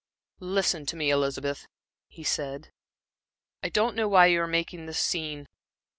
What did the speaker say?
"Listen to me, Elizabeth," he said. "I don't know why you are making this scene.